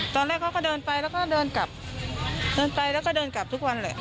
ตอนแรกเขาก็เดินไปแล้วก็เดินกลับเดินไปแล้วก็เดินกลับทุกวันแหละ